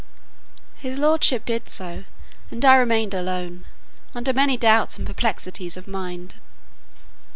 His lordship did so; and I remained alone, under many doubts and perplexities of mind.